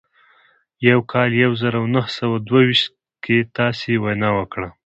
په کال يو زر و نهه سوه دوه ويشت کې تاسې وينا وکړه.